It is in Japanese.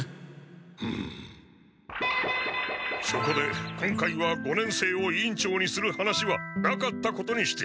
そこで今回は五年生を委員長にする話はなかったことにして。